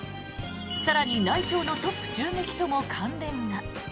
更に内調のトップ襲撃とも関連が。